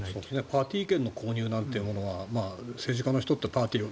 パーティー券の購入なんてものは政治家の人はパーティー。